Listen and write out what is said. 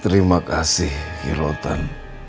terima kasih kirotan